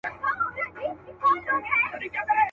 چي « منظور» به هم د قام هم د الله سي.